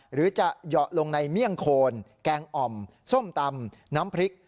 หรือจะเหยาะลงในเมี่ยงโคนแกงอ่อมส้มตำน้ำพริก